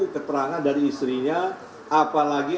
keterangan dari istrinya apalagi